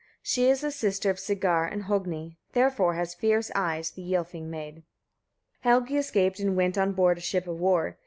She is a sister of Sigar and Hogni; therefore has fierce eyes the Ylfing maid. Helgi escaped and went on board a ship of war.